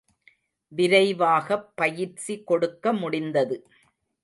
விரைவாகப் பயிற்சி கொடுக்க முடிந்தது.